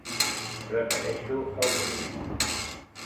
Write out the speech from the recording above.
Prefereixo el primer.